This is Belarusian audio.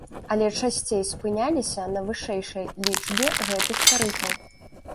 Але часцей спыняліся на вышэйшай лічбе гэтых тарыфаў.